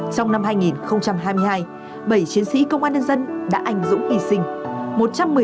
trong năm hai nghìn hai mươi hai bảy chiến sĩ công an nhân dân đã ảnh dũng hy sinh